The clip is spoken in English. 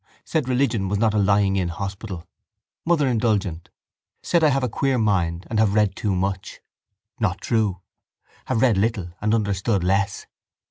Said religion was not a lying in hospital. Mother indulgent. Said I have a queer mind and have read too much. Not true. Have read little and understood less.